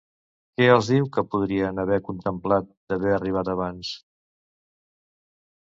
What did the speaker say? Què els diu que podrien haver contemplat d'haver arribat abans?